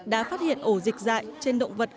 đã phát hiện ổ dịch dại trên động vật